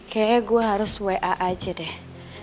kayaknya gue harus wa aja deh